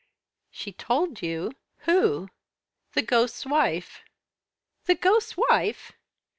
"She told you? Who?" "The ghost's wife." "The ghost's wife!"